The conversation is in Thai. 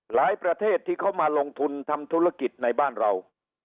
ประเทศที่เขามาลงทุนทำธุรกิจในบ้านเรา